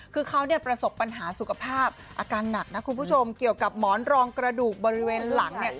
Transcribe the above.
คือเขาเนี่ยประสบปัญหาสุขภาพอาการหนักนะคุณผู้ชมเกี่ยวกับหมอนรองกระดูกบริเวณหลังเนี่ย